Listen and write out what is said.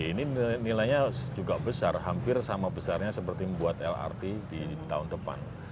ini nilainya juga besar hampir sama besarnya seperti membuat lrt di tahun depan